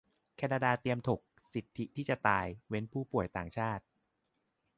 แคนาดาเตรียมถก "สิทธิที่จะตาย" เว้นผู้ป่วยต่างชาติ